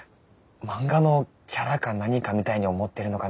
漫画のキャラか何かみたいに思ってるのかな？